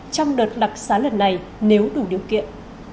trong đợt đặc xá lần này nếu đủ điều kiện